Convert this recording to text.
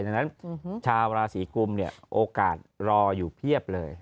ดังนั้นชาวราศีกุมเนี่ยโอกาสรออยู่เพียบเลย